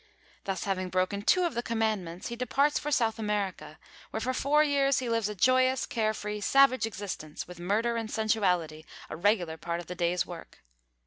Thus having broken two of the commandments, he departs for South America, where for four years he lives a joyous, care free, savage existence, with murder and sensuality a regular part of the day's work.